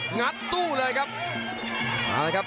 หงัดสู้เลยครับ